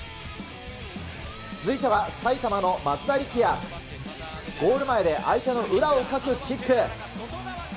続いては埼玉の松田力也、ゴール前で相手の裏をかくキック。